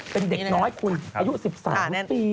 เป็นเด็กน้อยคุณอายุ๑๓ปี